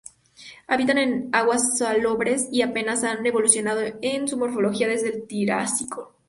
Habitan en aguas salobres y apenas han evolucionado en su morfología desde el Triásico.